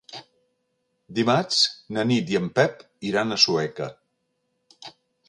Dimarts na Nit i en Pep iran a Sueca.